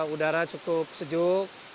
udara cukup sejuk